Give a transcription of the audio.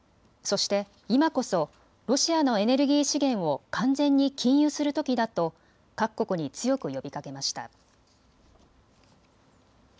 そして、今こそロシアのエネルギー資源を完全に禁輸するときだと各国に強く呼びかけました。